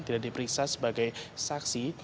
tidak diperiksa sebagai saksi